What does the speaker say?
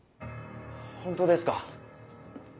本当ですか？